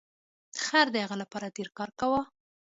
خر د هغه لپاره ډیر کار کاوه.